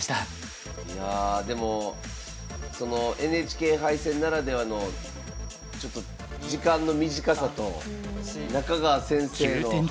いやでもＮＨＫ杯戦ならではのちょっと時間の短さと中川先生の放つ圧。